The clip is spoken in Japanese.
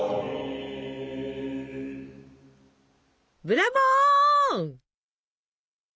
ブラボー！